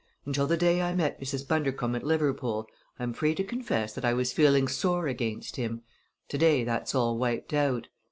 Until the day I met Mrs. Bundercombe at Liverpool I am free to confess that I was feeling sore against him. To day that's all wiped out.